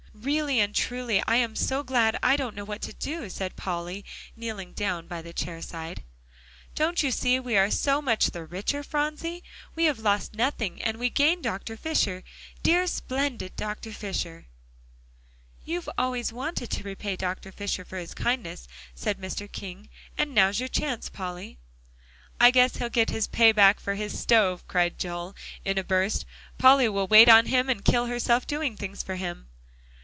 "Really and truly I am so glad I don't know what to do," said Polly, kneeling down by the chair side. "Don't you see we are so much the richer, Phronsie? We have lost nothing, and we gain Dr. Fisher. Dear splendid Dr. Fisher!" "You've always wanted to repay Dr. Fisher for his kindness," said Mr. King, "and now's your chance, Polly." "I guess he'll get his pay back for his stove," cried Joel in a burst; "Polly will wait on him, and kill herself doing things for him."